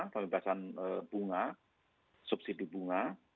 pembebasan bunga subsidi bunga